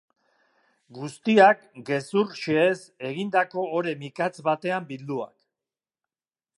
Guztiak gezur xehez egindako ore mikatz batean bilduak.